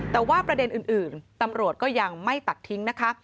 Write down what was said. แต่ว่าประเด็นอื่นตำรวจก็ยังไม่ตัดทิ้งนะคะ